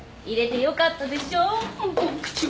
入れてよかったでしょボク